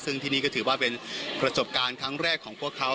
ซึ่งที่นี่ก็ถือว่าเป็นประสบการณ์ครั้งแรกของพวกเขา